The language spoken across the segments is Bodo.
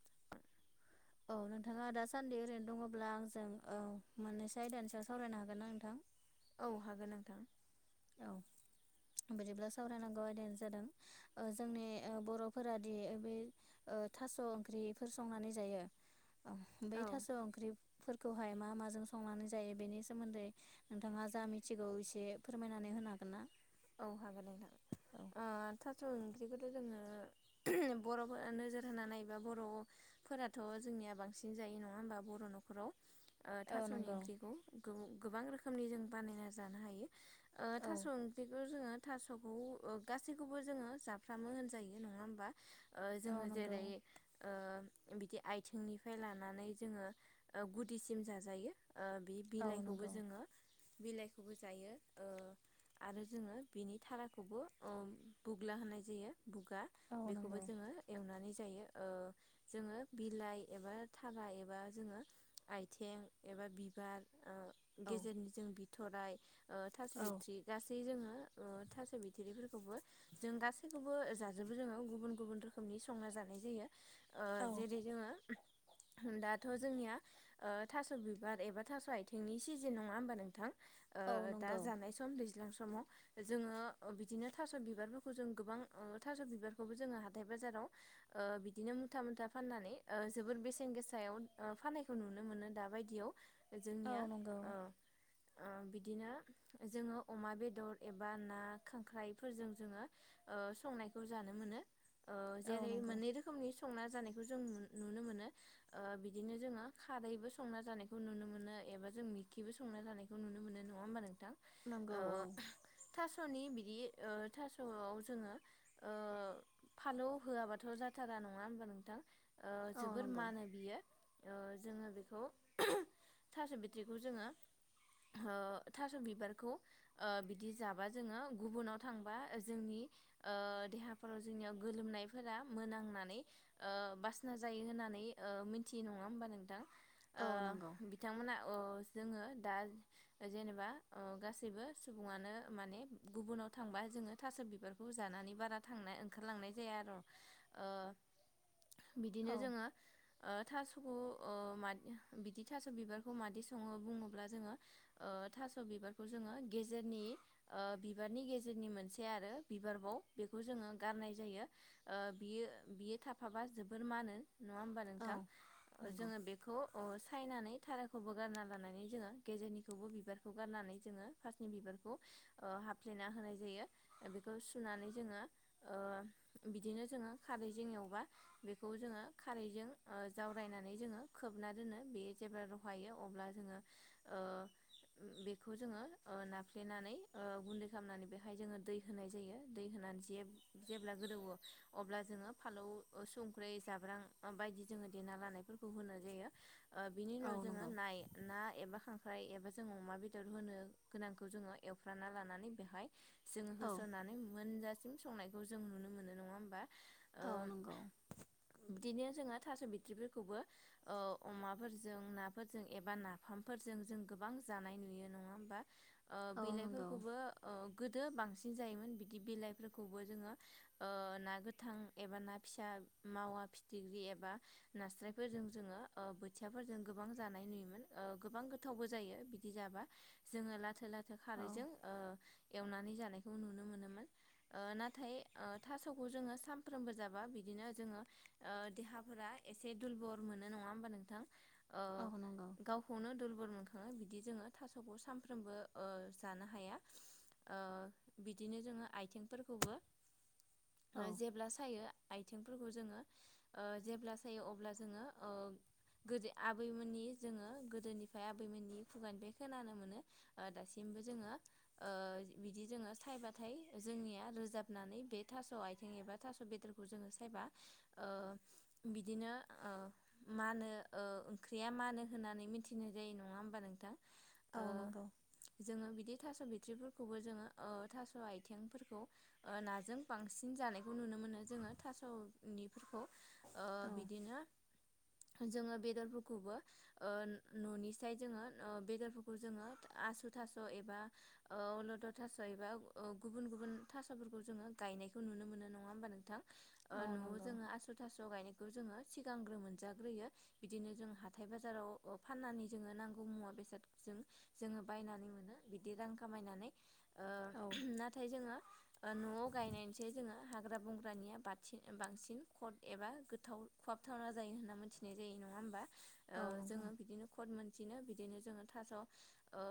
[inaudible] औ नोंथाङा दा सान्दि ओरैनो दङब्ला आंजों ओ मोननैसो आयदानि सायाव सावरायनो हागोन ना नोंथां? औ हागोन नोंथां। औ बिदिब्ला सावरायनांगौ आयदायानो जादों ओ‌ जोंनि ओ बरफोरादि बे ओ थास ओंख्रिफोर संनानै जायो बे औ थास ओंख्रि फोर खौहाय मा माजों संनानै जायो बेनि सोमोन्दै नोंथाङा जा मिथिगौ एसे फोरमायनानै होनो हागोन ना? औ हागोन नोंथां औ ओ था स ओंख्रिखौथ जोङो बरफोरा नोजोर होनानै नायबा बरफोराथ जों निया बांसिन जायो नङा होमबा बर नखराव ओ औ औ थासनि नंगौ ओंख्रिखौ गु गोबां रोखोमनि जों बानायना जानो हायो ओ औ थास ओंख्रिखौ जोङो थासखौ गासैखौबो जोङो जाफ्रामो होनजायो नङा होमबा? ओ जोङो नंगौ जेरै ओ बिदि आथिंनिफ्राय लानानै जोङो ओ गुदिसिम जाजायो ओ बे औ नंगौ बिलाइखौबो जोङो बिलाइखौबो जायो ओ आरो जोङो बिनि थाराखौबो ओ बुग्ला होनाय जायो। बुगा बेखौबो जोङो एवनानै ज जायो ओ जोङो बिलाइ एबा थारा एबा जोङो आयथें एब बा बिबार ओ औ गेजेरनि जों बिथराय ओ थास बिथ्रि नै जोङो ओ ओ थास' बिथ'रिफोरखौबो जों गासैखौबो जाजोबो जोङो गुबुन गुबुन रोखोमनि संना जानाय जायो। ओ जेरै जोङो दाथ' जोंनिया ओ थास' बिबार एबा थास' आयथिंनि सिजेन नङा होमबा नोंथां? ओ औ दा नंगौ जानाय सम ज्लां समाव जोङो ओ बिदिनो थास' बिबारफोरखौ जों गोबां ओ थास' बिबारखौबो जोङो हाथाय बा बाजाराव ओ बिदिनो मुथा मुथा फाननानै ओ जोबोर बेसेन गोसायाव ओ फाननायखौ नुनो मोन नो दा बायदियाव औ जोंनिया नंगौ ओ ओ बिदिनो जोङो अमा बेदर एबा ना खांख्राइफोरजों जोङो ओ संनायखौ जानो मोनो। ओ औ जेरै नंगौ मोननै रोखोमनि स संना जानायखौ जों नुन नुनो मोनो ओ बिदिनो जोङो खारैबो संना जानायखौ नुनो मोनो आ एबा जों मिखिबो संना जानायखौ नुनो मोनो नङा होमबा नोंथां? नंगौ ओ औ। थास'नि बिदि ओ थास'आव जोङो ओ फालौ होआबाथ' जाथा थारा नङा होमबा नोंथां? ओ औ जोबोर नंगौ मानो बियो। ओ जोङो बेखौ थास' बिट्रिखौ जोङो ओ थास' बिबारखौ ओ बिदि जाबा जोङो गुबुनाव थांबा ओ जोंनि ओ देहाफोराव जोंनियाव गोलोमनायफोरा मोनामनानै ओ बासना जायो होननानै ओ मिथियो नङा होमबा नोंथां? औ नंगौ ओ बिथांमोना ओ जोङो दा जेनेबा ओ गासै सैबो सुबुङानो माने गुबुनाव थांबा जोङो थास' बिबारखौ जानानै बारा थांना ओंखारलांना थांनाय जाया आरो ओ बिदिनो औ जोङो ओ थास' ओ मादि बिदि थास' बिबारखौ मादि सङो बुङोब्ला जोङो ओ बा थास' बिबार जोङो गेजेरनि ओ बिबारनि गेजेरनि मोनसे आरो बिबारबाव बेखौ जोङो गार नाय जायो ओ बियो बियो थाफाबा जोबोर माहोनो नङा होमबा औ नोंथां? ओ नंगौ जोङो बेखौ ओस सायनानै थाराखौबो गारना लानानै जोङो गेजेरनिखौबो बिबारखौ गारनानै जोङो फासनि बिबारखौ ओ हाफ्लेना होनाय जायो बेखौ सुनानै जोङो ओ ओ बिदिनो जोङो खारै जों एवबा बेखौ जोङो खारैजों ओ जावरायनानै ज जोङो खोबना दोनो बे जेब्ला रहायो अब्ला जोङो ओ ओम बेख बेखौ जोङो ओ नाफ्लेनानै ओ गुन्दै खालामनानै बेहाय जोङो दै होनाय जायो दै होनानै जेब जेब्ला गोदौवो अब्ला जोङो फालौ ओ संख्रै जाब्रां बायदि जोङो देना लानाय फोरखौ होनाय ओ बिनि औ उनाव जोङो नंगौ नाय ना एबा खांख्राय एबा जोङो अमा बेद होनो गोनांखौ जोङो एवफ्राना लानानै बेहाय जोङो औ होसननानै मोनजासि संनायखौ जों नुनो मोनो नङा होमबा? औ ओम नंगौ बिदिनो जोङो थास' बिथ्रिफोरखौबो ओ अमाफोरजों नाफोरजों एबा नाफामफोरजों जों गो गोबां जानाय नुयो नङा होमबा? ओ औ नंगौ बिलाइफोरखौबो ओ गोदो बांसि बांसिन जायोमोन बिदि बिलाइफोरखौबो जोङो ओ ना गोथां एबा ना फिसा मावा ना फिथिग्रि एबा नास्राइफोरजों जोङो ओ बोथियाफोरजों गोबां जानाय नुयोमोन ओ गोबां गोबां गोथावबो जायो बिदि जाबा जोङो लाथो- लाथो औ खारैजों ओ एवनानै जानायखौ नुनो मोनोमोन ओ नाथाय ओ थास'खौ जोङो सामफ्रोमबो जाबा बिदि बिदिनो जोङो ओ देहाफोरा एसे दुरबल मोनो नङा होमबा नोंथां? ओ औ नंगौ गावखौनो दुरबल मोनखाङो बिदि जोङो थास'खौ सामफ्रोमबो ओ जानो हाया ओ बिदिनो जोङो आथिंफोरखौ [inaudible] ओ जेब्ला सायो आय आथिंफोरखौ जोङो ओ जेब्ला सायो अब्ला जोङो ओ गोदो आबैमोननि जोङो गोदोनिफ्राय आबैमोननि खुगानि बे खोनानो मोनो दासिबो जोङो ओ बिदि जोङो सायबाथाय जोंनिया रोजाबनानै बे थास' आइथिं एबा थास' बेदरखौ जोङो सायबा ओ बिदिनो ओ मानो ओ ओंख्रिया मानो होननानै मिथिनाय जायो नङा होमबा नोंथां। औ नंगौ। बे थास' बिथ्रिफोरखौबो जोङो ओ थास' आइथिंफोरखौ ओ नाजों बांसिन जानायखौ नुनो मोनो जोङो थास'निफोरखौ ओ औ बिदिनो जोङो बेदरफोरखौबो ओ न'नि साय जोङो ओ बेदरफोरखौ जोङो आसु थास' एबा ओ अलद' थास' एबा ओ गुबुन गुबुन गुबुन थास'फोरखौ जोङो गायनायखौ नुनो मोनो नङा होमबा नोंथां? ओ औ न'आव जोङो नंगौ आसु थास' गायनाय खौ जोङो सिगांग्रो मोनजाग्रोयो बिदिनो जों हाथाय बाजाराव फाननानै जोङो नांगौ मुवा बेसादखौ जों जोङो बायनानै मोनो बिदि रां खामायनानै। ओ औ नाथाय जोङो ओ न'आव गायनायनिसाय जोङो हा ग्रा बंग्रानिया बाथि बांसिन कद एबा गोथाव खहाबथावना जायो होनना मोनथिनाय जायो नङा होमबा। ओ औ नंगौ जोङो बिदिनो कट मोनसिनो बि दिनो जोङो थास' ओ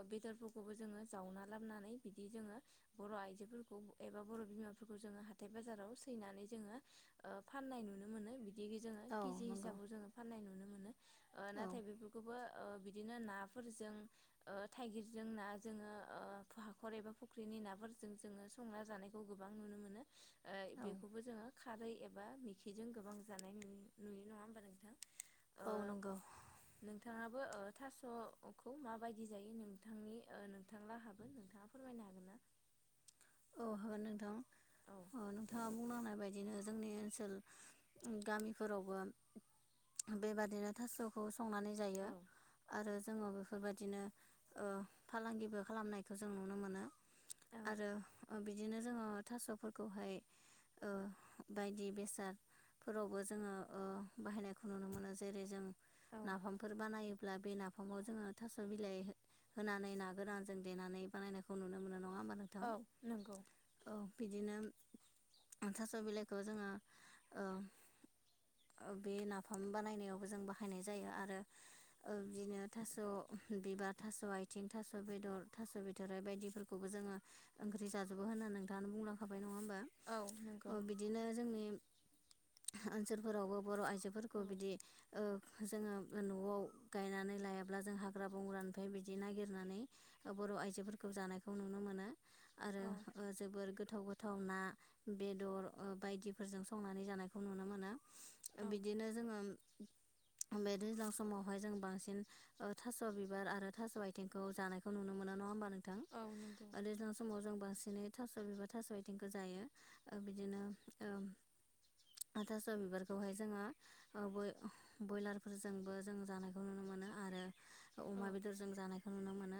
बेदरफोरखौबो जोङो जावना लाबोनानै बिदि जोङो बर' आइजो फोरखौ एबा बर' बिमाफोरखौ जोङो हाथाय बाजाराव सैनानै जोङो ओ फाननाय नुनो मोनो। बि दि जोङो औ खिजि नंगौ हिसाबाव जोङो फाननाय नुनो मोनो ओ औ नाथाय बेफोरखौबो ओ बिदिनो ना फोरजों ओ थाइगिरजों ना जोङो ओ हाखर एबा फुख्रिनि नाफोरजों जोङो संना जानायखौ गोबां नुनो मोनो। ओ बेखौबो जोङो खारै एबा मिखिजों गोबां जानाय नुयो नुयो नङा होमबा नोंथां? ओ औ नंगौ औ नोंथाङाबो ओ थास' खौ माबायदि जायो नोंथांनि ओ नोंथां लाहाबो नोंथाङा फोरमायनो हागोन ना? औ हागोन नोंथां औ नोंथाङा बुंलांनाय बायदिनो जोंनि ओनसोल गामिफोरावबो बेबादिनो थास'खौ संनानै जायो औ आरो जोङो बेफोरबायदिनो ओ फालांगिबो खालामनायखो जों नुनो मोनो। औ आरो बिदिनो जोङो थास'फोरखौहाय ओ बायदि बेसाद फोरावबो जोङो ओ बाहायनायखौ नुनो मोनो जेरै जों औ नाफामफोर बानायो ब्ला बे नाफामाव जोङो थास' बिलाइ होनानै ना गोरानजों देनानै बानायनायखौ नुनो मोनो। नङा होमबा नोंथां? नोंगौ। औ बिदिनो थास' बिलाइखौ जोङो ओ ओ बे नाफाम बानायनायावबो जों बाहायनाय जायो आरो ओ बिदिनो थास' बिबार थास' आइथिं थास' बेदर थास' बिथ'राइ बायदिफोरखौबो जोङो ओंख्रि जाजोबो होनना नोंथाङानो बुंलांखाबाय नङा होमबा औ ओ नंगौ बिदिनो जोंनि ओनसोलफोरावबो बर' आइजोफोरखौ औ बिदि ओ जोङो न'आव गायनानै लायाब्ला जों हाग्रा बंग्रानिफ्राय बिदि नागिरनानै बर' आइजोफोरखौ जानायखौ नुनो मोनो आरो औ जोबोर गोथाव गो थाव ना, बेदर ओ बायदिफोरजों संनानै जानायखौ नुनो मोनो। औ बिदिनो जोङो बे दैज्लां समावहाय जों बांसिन थास' बिबार आरो थास' आइथिंखौ जानायखौ नुनो मोनो नङा होमबा नों थां औ नंगौ ओ दैज्लां समाव जों बांसिनै थास' बिबार थास' आइथिंखो जायो ओ बिदिनो ओ थास' बिबारखौहाय जोङो ओ बय बयलारफोरजोंबो जों जानायखौ नुनो मोनो आरो औ अमा बेदरजों जानाय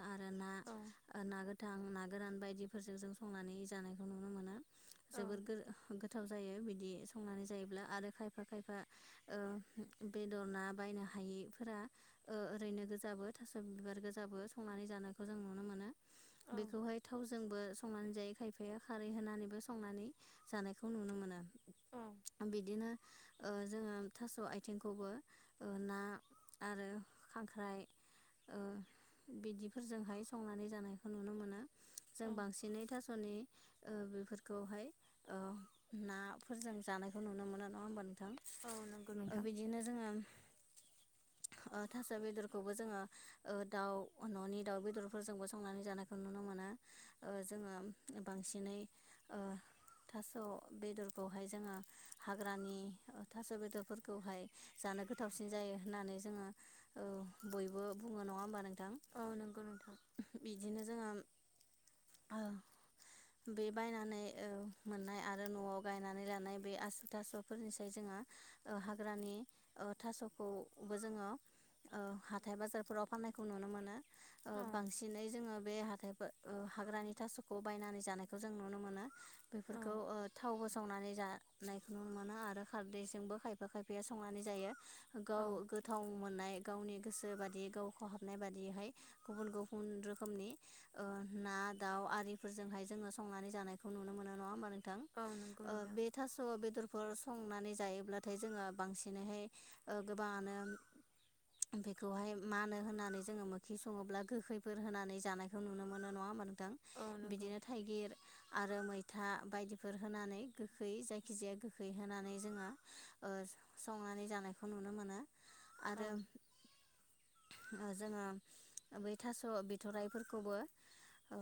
आरो ना औ ओ ना गोथां, ना गोरान बायदिफोरजों जों संनानै जानायखौ नुनो मोनो। जोबोर गो औ गोथाव जायो। बिदि संनानै जायोब्ला आरो खायफा खायफा ओ बेदर ना बायनो हायो फोरा ओरैनो गोजाबो थास' बिबार गोजाबो संनानै जानायखौ जों नुनो मोनो। बेखौहाय जोंबो संनानै जायो खायफाया खारै होनानैबो संनानै जानायखौ नुनो मोनो, औ बिदिनो ओ जोङो थास' आइथिंखौबो ना आरो खांख्राइ, ओ बिदिफोरजोंहाय संनानै जानायखौ नुनो मोनो जों औ बांसिनै थास'नि, ओ बेफोरखौहाय ओ नाफोरजों जानायखौ नुनो मोनो नङा होमबा नो थां औ नंगौ ओ नोंथां बिदिनो जोङो, ओ थास' बेदरखौबो जोङो दाउ न'नि दाउ बेदरफोरजोंबो संनानै जानायखौ नु नुनो मोना ओ जोङो बांसिनै ओ, थास' बेदरखौहाय जोङो हाग्रानि थास' बेदरफोरखौहाय जा गोथावसिन जायो होननानै जोङो ओ बयबो बुङो नङा होनबा नों, थां औ नंगौ नोंथां बिदिनो जों हो बे बायनानै ओ मोननाय आरो न'आव गायनानै लानाय बे आसु थास'फोरनिसाय जोङो, हा ओ हाग्रानि ओ थास'खौबो जोङो, ओ हाथाय बाजारफोराव फाननायखौ नुनो मोनो ओ औ बांसिनै जोङो बे हाथाय, ओ हाग्रानि थास'खौ बायनानै जानायखौ जों नुनो मोनो औ बेफोरखौ थाव संनानै जानायखौ नुनो मोनो आरो खारदैजोंबो खायफा खायफाया संनानै जायो। गाव औ गोथाव मोननाय। गावनि गोसो बादियै गावखौ हाबनाय बादियैहाय गुबुन गुबुन रोखोमनि, ओ ना दाउ आरिफोरजोंहाय जोङो संनानै जानायखौ नुनो मोनो नङा होनबा नों थां औ नंगौ ओ नोंथां बे थास' बेदर, फोर संनानै जायोब्लाथाय जोङो बांसिनैहाय ओ गोबाङानो, बेखौहाय मानो होननानै जोङो मोखै सङोब्ला गोखैफोर होनानै जानाय, [unintelligible] नुनो मोनो नङा होनबा नोंथां औ नंगौ बिदिनो थाइगिर, आरो मैथा बायदिफोर होनानै गोखै जायखिजाया गोखै होनानै जोङो ओ संनानै जानायखौ नुनो मोनो, औ आरो जोङो बै थास' बिथराइ फोर, खौबो औ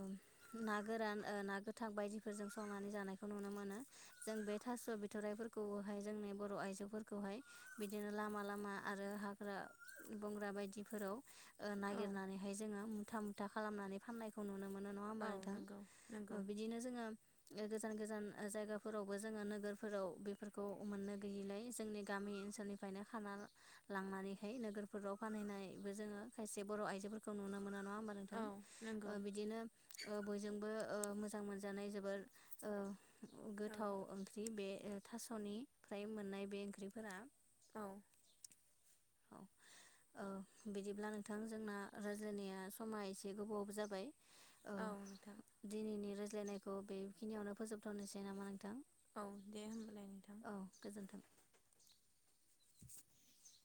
ना गोरान ओ ना गोथां बायदिफोरजों संनानै जानायखौ नुनो मोनो जों बे, थास' बिथ'राइफोरखौबोहाय जोंनि बर' आइजोफोरखौहाय बिदिनो लामा लामा आरो हाग्रा, बंग्रा बायदिफोराव ओ औ नागिरनानै हाय जोङो मुथा मुथा, खालामनानै फाननायखौ नुनो मोनो नङा होमबा औ नोंथां नंगौ नंगौ बिदिनो जोङो गोजो गोजान गोजान जायगाफोरावबो जोङो नोगोरफोराव बेफोरखौ मोननो गैयिलाय जोंनि गामि ओनसोलनिफ्राय, फ्रायनो खाना लांनानैहाय नोगोरफोराव फानहैनायबो जोङो खायसे बर' आइजोफोरखौ नुनो मोनो नङा, होनबा नोंथां औ ओ नंगौ बिदिनो बयजोंबो, ओ मोजां मोनजानाय जोबोर ओ औ गोथाव ओंख्रि बे ओ थास'निफ्राय मोननाय बे ओंख्रिफोरा, औ औ औ बिदिब्ला नोंथां जोंना रायज्लायनाया समाय गोबावावबो जाबाय ओ औ नोंथां दिनैनि राज्लाय जिरनायखौ बेखिनियावनो फोजोबथ'नोसै नामा नोंथां, औ दे होमबालाय नोंथां, औ गोजोन्थों। [unintelligible]